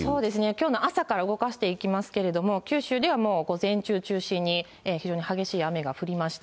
きょうの朝から動かしていきますけれども、九州ではもう、午前中中心に、非常に激しい雨が降りました。